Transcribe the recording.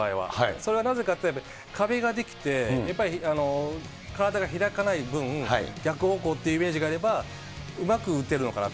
それはなぜかというと、壁が出来て、やっぱり体が開かない分、逆方向っていうイメージがあれば、うまく打てるのかなと。